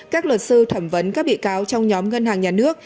các luật sư thẩm vấn các bị cáo trong nhóm ngân hàng nhà nước